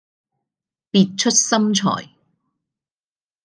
別出心裁